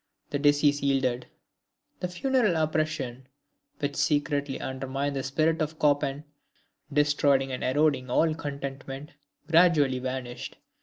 The disease yielded: "the funereal oppression which secretly undermined the spirit of Chopin, destroying and corroding all contentment, gradually vanished.